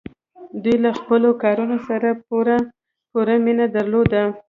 دوی له خپلو کارونو سره پوره مینه درلوده.